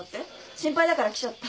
心配だから来ちゃった。